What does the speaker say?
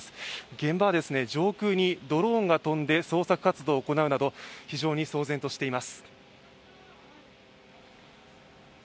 現場は上空にドローンが飛んで捜索活動を行うなど非常に騒然としています。